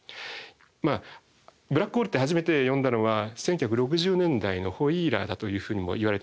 まあブラックホールって初めて呼んだのは１９６０年代のホイーラーだというふうにもいわれてます。